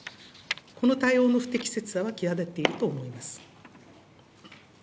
この対応の不適切は際立っていると思います。